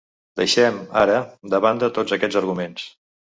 Deixem, ara, a banda tots aquests arguments.